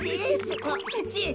あっじい